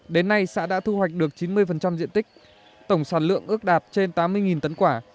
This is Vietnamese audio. đến nay xã đã thu hoạch được chín mươi diện tích tổng sản lượng ước đạt trên tám mươi tấn quả